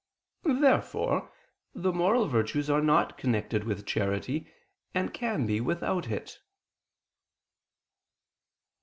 Therefore the moral virtues are not connected with charity, and can be without it.